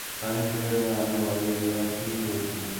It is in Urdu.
انسانی فکر میں آنے والی یہ ایسی ہی ایک تبدیلی ہے۔